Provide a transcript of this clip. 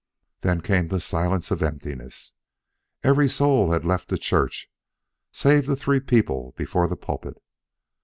Then came the silence of emptiness. Every soul had left the church save the three before the pulpit.